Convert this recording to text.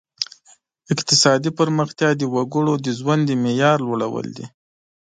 اقتصادي پرمختیا د وګړو د ژوند د معیار لوړول دي.